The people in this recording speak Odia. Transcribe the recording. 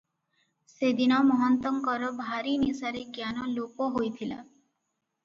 ସେଦିନ ମହନ୍ତଙ୍କର ଭାରି ନିଶାରେ ଜ୍ଞାନ ଲୋପ ହୋଇଥିଲା ।